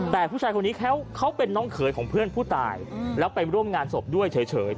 แต่ผู้ชายคนนี้เขาเป็นน้องเขยของเพื่อนผู้ตายแล้วไปร่วมงานศพด้วยเฉย